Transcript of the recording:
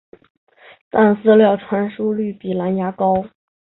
但资料传输率比蓝牙高。